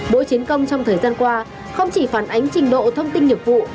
bộ chiến công trong thời gian qua không chỉ phản ánh trình độ thông tin nhập vụ